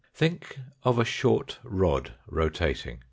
Think of a short rod rotating.